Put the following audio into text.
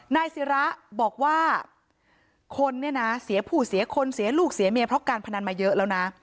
นายศิระบอกว่าคนเนี่ยนะเสียผู้เสียคนเสียลูกเสียเมียเพราะการพนันมาเยอะแล้วนะ